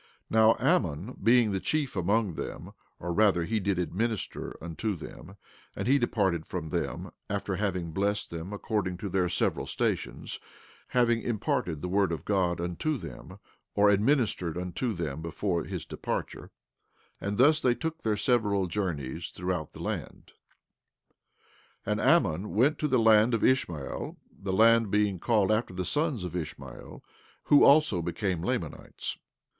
17:18 Now Ammon being the chief among them, or rather he did administer unto them, and he departed from them, after having blessed them according to their several stations, having imparted the word of God unto them, or administered unto them before his departure; and thus they took their several journeys throughout the land. 17:19 And Ammon went to the land of Ishmael, the land being called after the sons of Ishmael, who also became Lamanites.